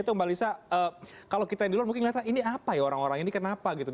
itu mbak lisa kalau kita yang di luar mungkin melihatnya ini apa ya orang orang ini kenapa gitu